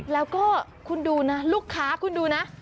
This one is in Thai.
แล้วก็คุณดูนะลูกค้าคุณดูนะ